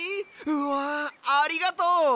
うわありがとう！